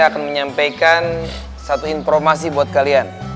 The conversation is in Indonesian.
saya akan menyampaikan satu informasi buat kalian